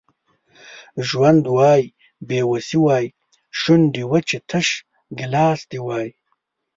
ژوند وای بې وسي وای شونډې وچې تش ګیلاس دي وای